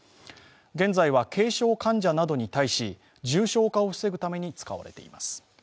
現在は軽症患者などに対し重症化を防ぐために使われています。